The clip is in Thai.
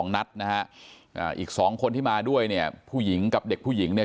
นัดนะฮะอีก๒คนที่มาด้วยเนี่ยผู้หญิงกับเด็กผู้หญิงเนี่ย